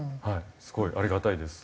すごいありがたいです。